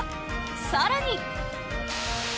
更に。